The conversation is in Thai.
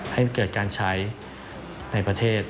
ให้เกิดการใช้ในประเทศ